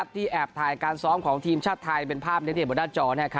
แอบถ่ายการซ้อมของทีมชาติไทยเป็นภาพเด็ดบนหน้าจอ